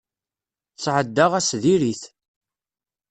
Sɛeddaɣ ass diri-t.